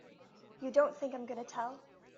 You don't think I'm gonna tell!